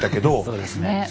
そうですね。